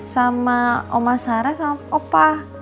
sama oma sarah sama opa